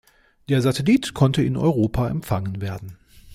Der Satellit konnte in Europa empfangen werden.